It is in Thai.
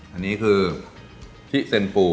อันนี้คือขี้เส้นปู